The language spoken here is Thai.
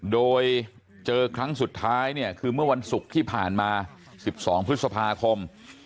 โดยเจอครั้งสุดท้ายเนี่ยคือเมื่อวันศุกร์ที่ผ่านมา๑๒พฤษภาคม